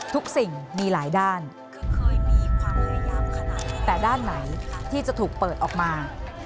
ทุกสิ่งมีหลายด้านแต่ด้านไหนที่จะถูกเปิดออกมา